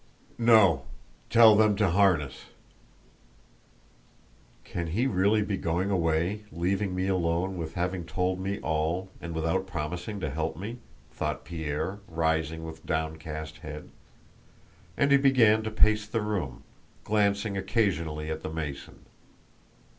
"No, tell them to harness." "Can he really be going away leaving me alone without having told me all, and without promising to help me?" thought Pierre, rising with downcast head; and he began to pace the room, glancing occasionally at the Mason.